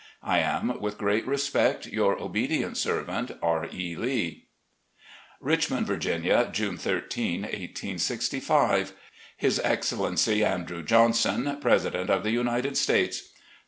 I am, with great respect, "Your obedient servant, R. E. Lee." "Richmond, Virginia, June 13, 1865. "His Excellency Andrew Johnson, " President of the United States.